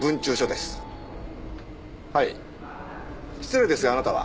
失礼ですがあなたは？